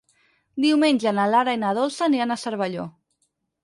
Diumenge na Lara i na Dolça aniran a Cervelló.